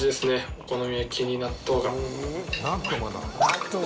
お好み焼きに納豆が。